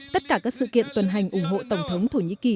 tất cả các sự kiện tuần hành ủng hộ tổng thống thổ nhĩ kỳ